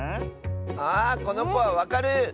あこのこはわかる！